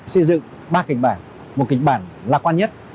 xây dựng ba kịch bản một kịch bản lạc quan nhất